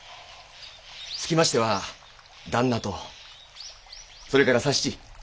つきましては旦那とそれから佐七。